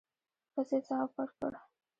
ښځې ځواب ورکړ.